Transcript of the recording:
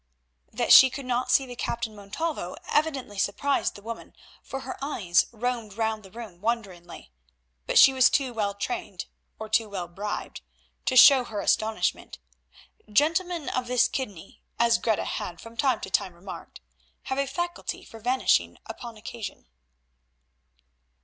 That she could not see the Captain Montalvo evidently surprised the woman, for her eyes roamed round the room wonderingly, but she was too well trained, or too well bribed, to show her astonishment. Gentlemen of this kidney, as Greta had from time to time remarked, have a faculty for vanishing upon occasion.